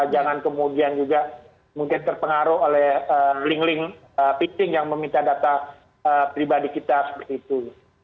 jangan kemudian juga mungkin terpengaruh oleh link link piping yang meminta data pribadi kita seperti itu